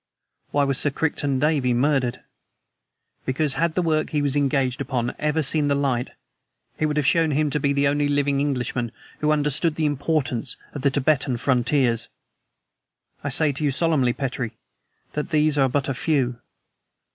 Why was Sir Crichton Davey murdered? Because, had the work he was engaged upon ever seen the light it would have shown him to be the only living Englishman who understood the importance of the Tibetan frontiers. I say to you solemnly, Petrie, that these are but a few.